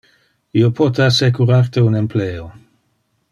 Io pote assecurar te un empleo.